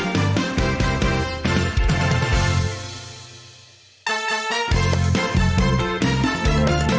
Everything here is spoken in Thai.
โปรดติดตามตอนต่อไป